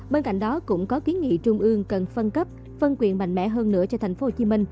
bên cạnh đó cũng có kiến nghị trung ương cần phân cấp phân quyền mạnh mẽ hơn nữa cho tp hcm